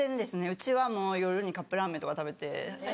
うちはもう夜にカップラーメンとか食べて。